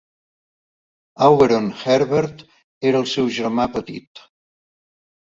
Auberon Herbert era el seu germà petit.